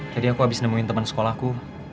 tadi aku abis nemuin temen sekolahku